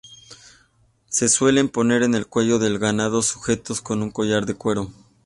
Se suelen poner en el cuello del ganado sujetos con un collar de cuero.